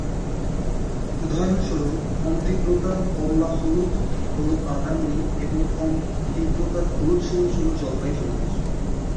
উদাহরণস্বরূপ, কম-তীব্রতার কমলা-হলুদ হল বাদামী এবং কম-তীব্রতার হলুদ-সবুজ হল জলপাই সবুজ।